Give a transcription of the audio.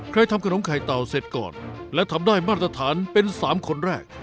ทำขนมไข่เต่าเสร็จก่อนและทำได้มาตรฐานเป็น๓คนแรก